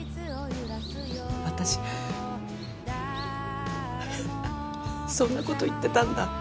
私そんな事言ってたんだ。